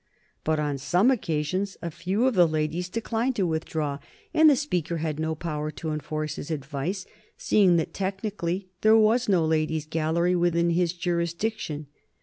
But on some occasions a few of the ladies declined to withdraw, and the Speaker had no power to enforce his advice, seeing that, technically, there was no Ladies' Gallery within his jurisdiction.